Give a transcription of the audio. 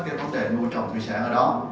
cái vấn đề nuôi trồng thủy sản ở đó